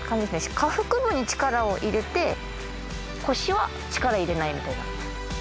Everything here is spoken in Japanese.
下腹部に力を入れて腰は力入れないみたいな。